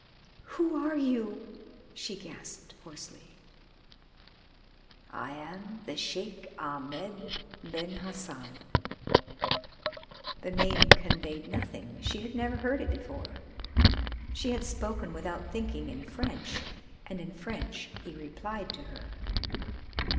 "Who are you?" she gasped hoarsely. "I am the Sheik Ahmed Ben Hassan." The name conveyed nothing. She had never heard it before. She had spoken without thinking in French, and in French he replied to her.